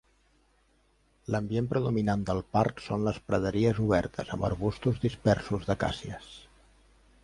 L'ambient predominant del parc són les praderies obertes amb arbustos dispersos d'acàcies.